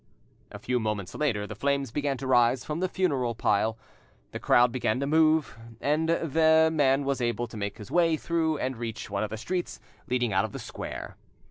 A few moments later the flames began to rise from the funeral pile, the crowd began to move, and the than was able to make his way through and reach one of the streets leading out of the square.